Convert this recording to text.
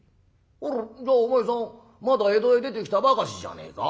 あらじゃあお前さんまだ江戸へ出てきたばかしじゃねえか」。